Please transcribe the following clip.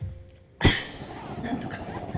はい何とか。